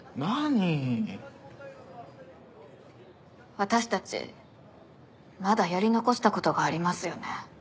私たちまだやり残したことがありますよね。